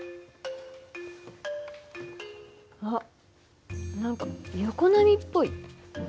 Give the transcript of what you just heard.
あっ何か横波っぽい。